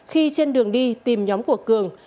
khi trên đường đi tìm nhóm của cường